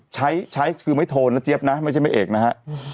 ใช้ใช้คือไม่โทรนะเจี๊ยบนะไม่ใช่ไม่เอกนะฮะ